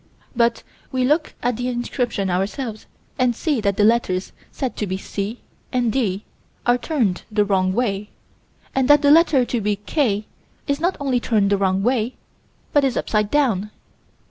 But we look at the inscription ourselves and see that the letters said to be "C" and "D" are turned the wrong way, and that the letter said to be "K" is not only turned the wrong way, but is upside down.